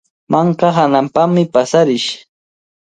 Manka hananpami paasarish.